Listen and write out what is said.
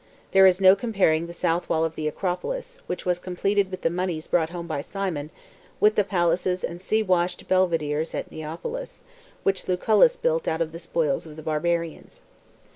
There is no comparing the south wall of the Acropolis, which was completed with the moneys brought home by Cimon, with the palaces and sea washed Bel videres at Neapolis, which Lucullus built out of the spoils of the Barbarians.